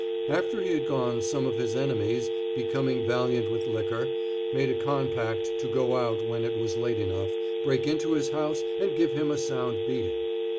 After he had gone some of his enemies, becoming valiant with liquor, made a compact to go out when it was late enough, break into his house, and give him a sound beating.